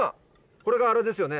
これがあれですよね？